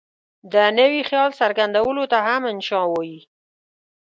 د نوي خیال څرګندولو ته هم انشأ وايي.